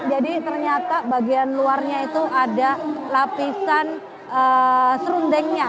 jadi ternyata bagian luarnya itu ada lapisan serundengnya